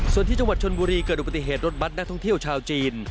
ส่วนที่จังหวัดชนบุรีเกิดอุบัติเหตุรถบัตรนักท่องเที่ยวชาวจีน